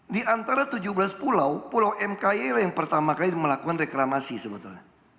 di antara tujuh belas pulau pulau mki yang pertama kali melakukan reklamasi sebetulnya